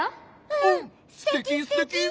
うんすてきすてき！